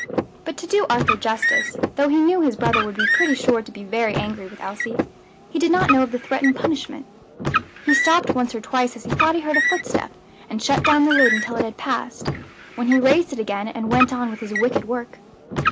But to do Arthur justice, though he knew his brother would be pretty sure to be very angry with Elsie, he did not know of the threatened punishment. He stopped once or twice as he thought he heard a footstep, and shut down the lid until it had passed, when he raised it again and went on with his wicked work.